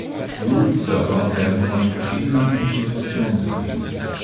Root-Server werden von verschiedenen Institutionen betrieben.